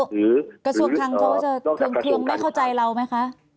กระทรวงการคลังเข้าใจเราไหมคะ